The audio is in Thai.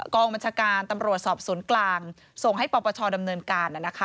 กองบัญชาการตำรวจสอบสวนกลางส่งให้ปปชดำเนินการ